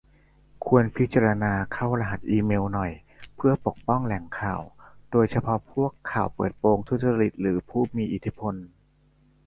ควรพิจารณาเข้ารหัสอีเมลหน่อย เพื่อปกป้องแหล่งข่าว โดยเฉพาะพวกข่าวเปิดโปงทุจริตหรือผู้มีอิทธิพล